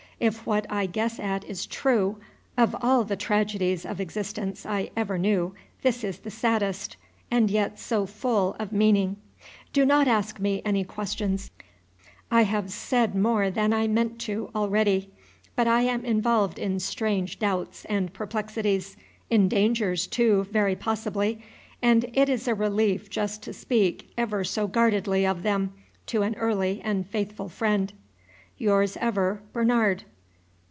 If what I guess at is true, of all the tragedies of existence I ever knew this is the saddest, and yet so full of meaning! Do not ask me any questions, I have said more than I meant to already; but I am involved in strange doubts and perplexities, in dangers too, very possibly, and it is a relief just to speak ever so guardedly of them to an early and faithful friend. Yours ever, BERNARD.